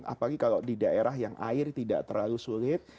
apalagi kalau di daerah yang air tidak terlalu sulit